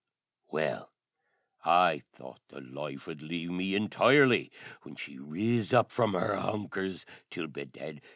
Well, I thought the life 'ud lave me intirely when she riz up from her hunkers, till, bedad!